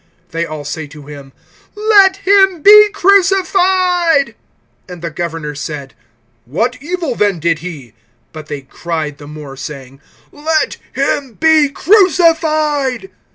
They all say to him: Let him be crucified. (23)And the governor said: What evil then did he? But they cried the more, saying: Let him be crucified.